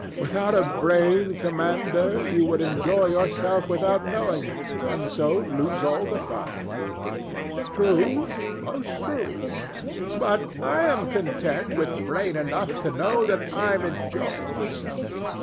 DON JUAN. Without a brain, Commander, you would enjoy yourself without knowing it, and so lose all the fun. THE STATUE. True, most true. But I am quite content with brain enough to know that I'm enjoying myself.